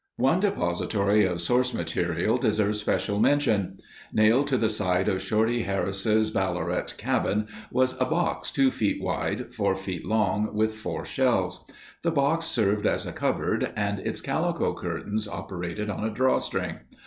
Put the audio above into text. One depository of source material deserves special mention. Nailed to the wall of Shorty Harris' Ballarat cabin was a box two feet wide, four feet long, with four shelves. The box served as a cupboard and its calico curtains operated on a drawstring.